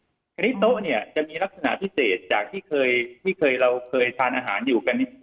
ทีนี้โต๊ะเนี่ยจะมีลักษณะพิเศษจากที่เคยเราเคยทานอาหารอยู่กัน